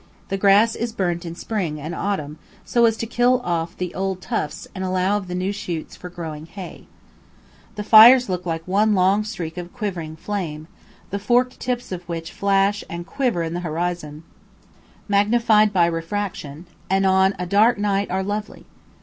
The grass is burnt in spring and autumn so as to kill off the old tufts and allow of the new shoots growing for hay. The fires look like one long streak of quivering flame, the forked tips of which flash and quiver in the horizon, magnified by refraction, and on a dark night are lovely.